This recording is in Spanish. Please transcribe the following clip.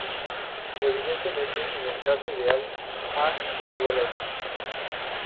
Evidentemente, en el caso ideal: "a"="X".